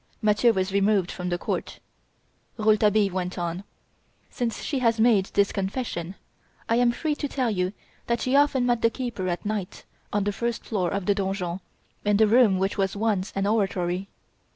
Mathieu was removed from the court. Rouletabille went on: "Since she has made this confession, I am free to tell you that she often met the keeper at night on the first floor of the donjon, in the room which was once an oratory.